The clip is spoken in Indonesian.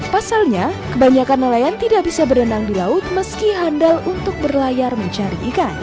pasalnya kebanyakan nelayan tidak bisa berenang di laut meski handal untuk berlayar mencari ikan